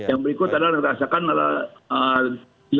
yang berikut adalah dirasakan jarangnya empat pemain